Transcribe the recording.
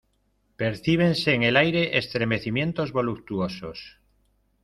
percíbense en el aire estremecimientos voluptuosos: